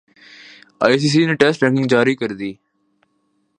ئی C C نے نئی ٹیسٹ رینکنگ جاری کردی